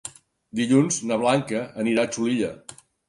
Dilluns na Blanca anirà a Xulilla.